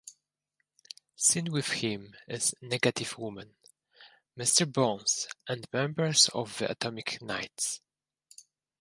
Seen with him is Negative Woman, Mr. Bones and members of the Atomic Knights.